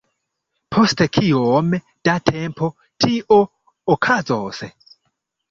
Post kiom da tempo tio okazos?